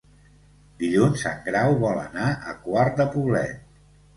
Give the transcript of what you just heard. Dilluns en Grau vol anar a Quart de Poblet.